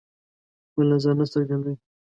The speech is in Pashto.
خپل نظر نه څرګندوي.